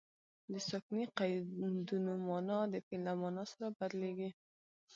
د ساکني قیدونو مانا د فعل له مانا سره بدلیږي.